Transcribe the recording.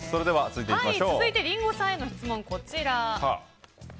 続いてリンゴさんへの質問です。